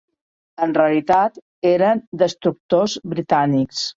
En realitat, eren destructors britànics